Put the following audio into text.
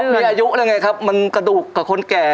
เพราะบีอายุมันกระดูกกับคนแก่